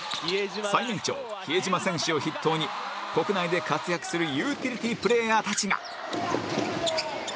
最年長比江島選手を筆頭に国内で活躍するユーティリティープレーヤーたちが